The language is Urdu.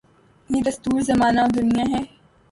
یہ دستور زمانہ و دنیاہے۔